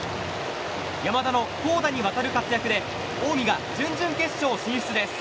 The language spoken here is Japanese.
山田の投打にわたる活躍で近江が準々決勝進出です。